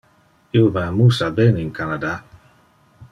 Io me amusa ben in Canada.